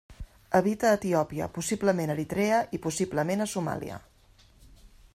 Habita a Etiòpia, possiblement a Eritrea i possiblement a Somàlia.